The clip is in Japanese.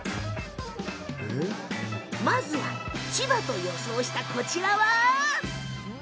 まず、千葉と予想したこちら！